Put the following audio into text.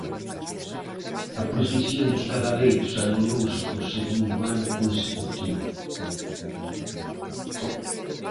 A procesión dos cadaleitos anulouse por segundo ano consecutivo.